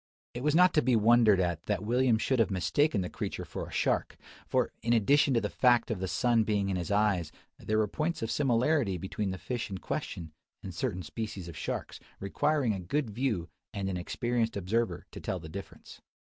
It was not to be wondered at that William should have mistaken the creature for a shark: for, in addition to the fact of the sun being in his eyes, there were points of similarity between the fish in question, and certain species of sharks, requiring a good view and an experienced observer to tell the difference.